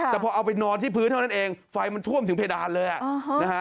แต่พอเอาไปนอนที่พื้นเท่านั้นเองไฟมันท่วมถึงเพดานเลยนะฮะ